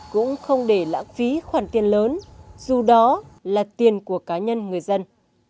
cũng không để lãng phí khoản tiền lớn dù đó là tiền của cá nhân người dân